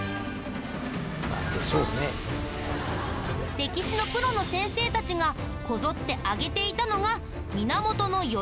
歴史のプロの先生たちがこぞって挙げていたのが源頼朝。